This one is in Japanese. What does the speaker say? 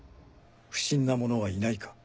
不審な者はいないか？